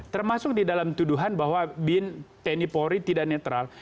termasuk di dalam tuduhan bahwa bin tni polri tidak netral